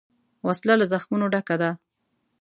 وسله له زخمونو ډکه ده